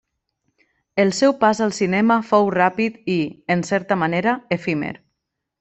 El seu pas al cinema fou ràpid i, en certa manera efímer.